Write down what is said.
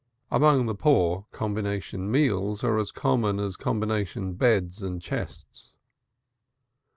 Among the poor, combination meals are as common as combination beds and chests.